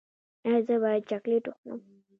ایا زه باید چاکلیټ وخورم؟